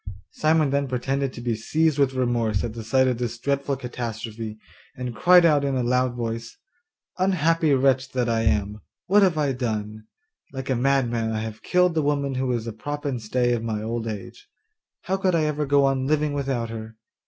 Simon then pretended to be seized with remorse at the sight of this dreadful catastrophe, and cried out in a loud voice, 'Unhappy wretch that I am! What have I done? Like a madman I have killed the woman who is the prop and stay of my old age. How could I ever go on living without her?